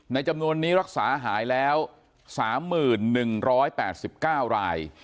จำนวนนี้รักษาหายแล้ว๓๑๘๙ราย